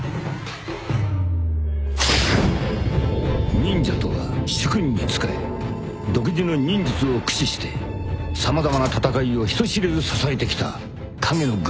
［忍者とは主君に仕え独自の忍術を駆使して様々な戦いを人知れず支えてきた影の軍団である］